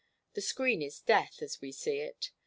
The screen is death, as we see it.